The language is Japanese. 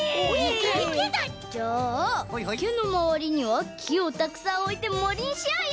じゃあいけのまわりにはきをたくさんおいてもりにしようよ！